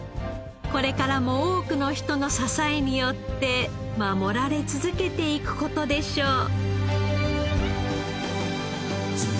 これからも多くの人の支えによって守られ続けていく事でしょう。